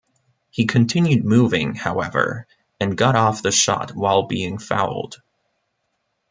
He continued moving, however, and got off the shot while being fouled.